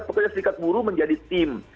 pekerja serikat buru menjadi tim